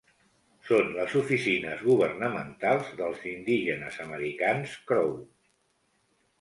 Són les oficines governamentals dels indígenes americans Crow.